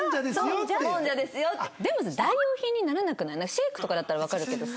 シェイクとかだったらわかるけどさ。